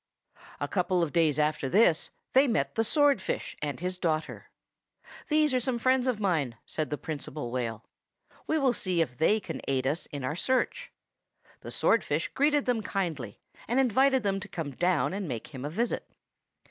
A couple of days after this they met the swordfish and his daughter. "These are some friends of mine," said the Principal Whale. "We will see if they can aid us in our search." The swordfish greeted them kindly, and invited them to come down and make him a visit.